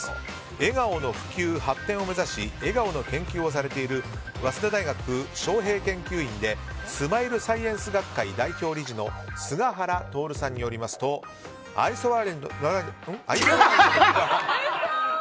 笑顔の普及・発展を目指し笑顔の研究をされている早稲田大学招聘研究員でスマイルサイエンス学会代表理事菅原徹さんによりますと愛想わら。